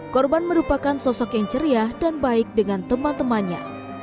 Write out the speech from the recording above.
korban merupakan sosok yang ceria dan baik dengan teman temannya